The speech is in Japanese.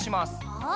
はい。